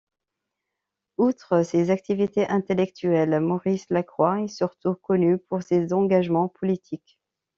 Outre ses activités intellectuelles, Maurice Lacroix est surtout connu pour ses engagements politiques.